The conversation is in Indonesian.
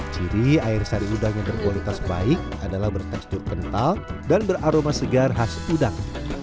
ciri air sari udang yang berkualitas baik adalah bertekstur kental dan beraroma segar khas udang